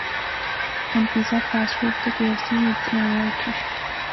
ہن پیزا، فاسٹ فوڈ تے کے ایف سی وی ایتھیں آیا اوٹھی